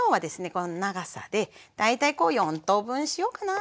この長さで大体４等分しようかな。